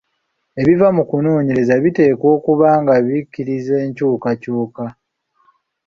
Ebiva mu kunoonyereza biteekwa okuba nga bikkiriza enkyukakyuka.